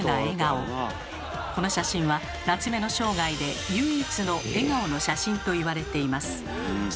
この写真は夏目の生涯で唯一の笑顔の写真と言われています。